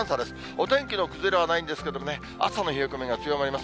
お天気の崩れはないんですけどね、朝の冷え込みは強まります。